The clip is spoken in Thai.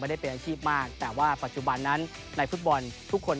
ได้เป็นอาชีพมากแต่ว่าปัจจุบันนั้นในฟุตบอลทุกคน